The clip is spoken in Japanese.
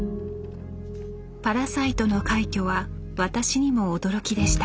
「パラサイト」の快挙は私にも驚きでした。